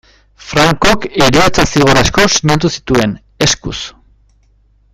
Francok heriotza-zigor asko sinatu zituen, eskuz.